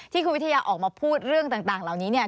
ที่คุณวิทยาออกมาพูดเรื่องต่างเหล่านี้เนี่ย